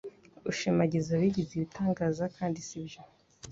ushimagiza abigize ibitangaza knd sibyo.